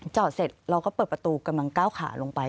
จอดเสร็จเราก็เปิดประตูกำลังก้าวขาลงไป